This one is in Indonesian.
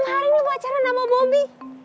udah enam hari nih pacaran sama bobby